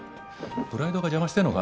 プライドが邪魔してんのか？